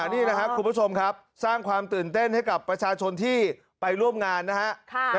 นี่แหละครับคุณผู้ชมครับสร้างความตื่นเต้นให้กับประชาชนที่ไปร่วมงานนะฮะ